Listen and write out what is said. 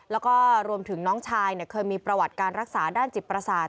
แล้วก็รวมถึงน้องชายเคยมีประวัติการรักษาด้านจิตประสาท